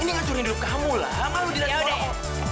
ini ngancurin hidup kamu lah kamu dilatih orang orang